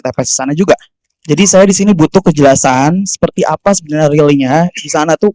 tps di sana juga jadi saya disini butuh kejelasan seperti apa sebenarnya realnya di sana tuh